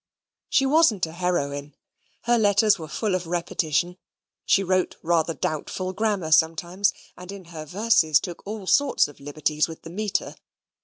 She wasn't a heroine. Her letters were full of repetition. She wrote rather doubtful grammar sometimes, and in her verses took all sorts of liberties with the metre.